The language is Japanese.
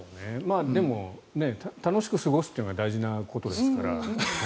でも、楽しく過ごすのが大事なことですから。